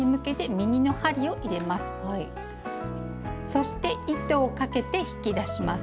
そして糸をかけて引き出します。